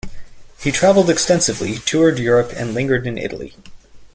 He travelled extensively, toured Europe and lingered in Italy.